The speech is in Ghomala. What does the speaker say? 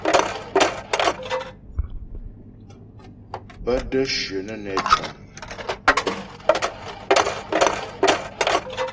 Bə́ də́ shyə nə́ nɛ cə̂ŋ.